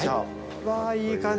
うわぁ、いい感じ！